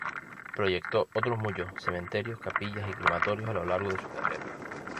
Proyectó otros muchos cementerios, capillas y crematorios a lo largo de su carrera.